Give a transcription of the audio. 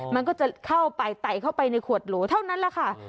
มันก็จะเข้าไปไต่เข้าไปในขวดโหลเท่านั้นแหละค่ะ